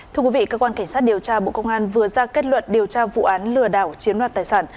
thưa quý vị cơ quan cảnh sát điều tra bộ công an vừa ra kết luận điều tra vụ án lừa đảo chiếm đoạt tài sản